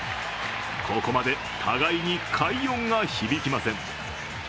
ここまで互いに快音が響きません。